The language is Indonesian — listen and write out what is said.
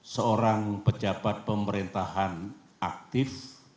seorang pejabat pemerintahan aktif